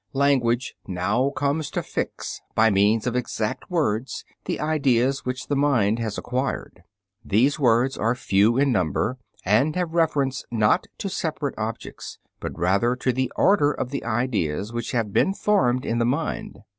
Language now comes to fix by means of exact words the ideas which the mind has acquired. These words are few in number and have reference, not to separate objects, but rather to the order of the ideas which have been formed in the mind.